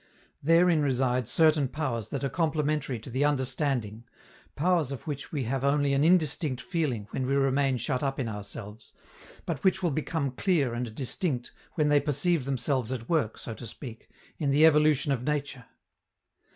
Therein reside certain powers that are complementary to the understanding, powers of which we have only an indistinct feeling when we remain shut up in ourselves, but which will become clear and distinct when they perceive themselves at work, so to speak, in the evolution of nature.